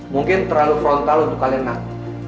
mungkin terlalu frontal untuk kalian ngaku